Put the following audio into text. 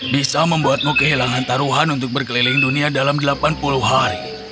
bisa membuatmu kehilangan taruhan untuk berkeliling dunia dalam delapan puluh hari